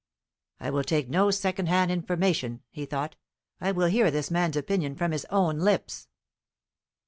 "I will take no secondhand information," he thought; "I will hear this man's opinion from his own lips."